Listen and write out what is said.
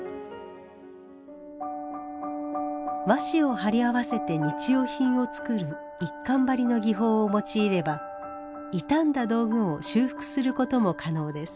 和紙を貼り合わせて日用品を作る一閑張の技法を用いれば傷んだ道具を修復することも可能です。